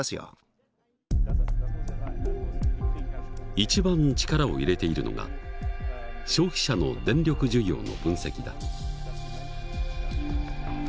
一番力を入れているのが消費者の電力需要の分析だ。